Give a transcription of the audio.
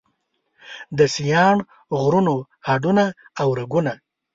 د سیاڼ غرونو هډونه او رګونه